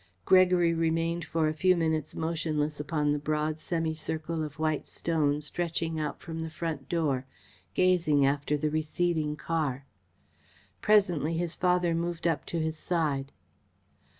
Gregory remained for a few minutes motionless upon the broad semicircle of white stone stretching out from the front door, gazing after the receding car. Presently his father moved up to his side.